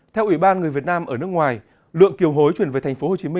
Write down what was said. theo ủy ban người việt nam ở nước ngoài lượng kiều hối chuyển về tp hcm